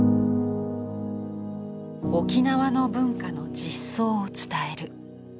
沖縄の文化の実相を伝える。